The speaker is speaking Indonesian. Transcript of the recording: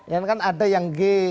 ya kan ada yang g